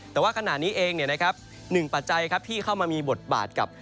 แต่ว่าขนาดนี้เองนะครับหนึ่งปัจจัยที่เข้ามามีบทบาทกับ